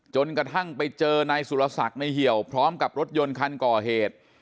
จนกระทั่งไปเจอนายสุรศักดิ์ในเหี่ยวพร้อมกับรถยนต์คันก่อเหตุ